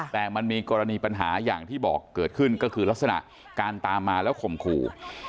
แต่มันมีกรณีปัญหาอย่างที่บอกเกิดขึ้นก็คือลักษณะการตามมาแล้วข่มขู่